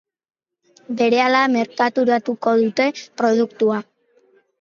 Berehala merkaturatuko dute produktua.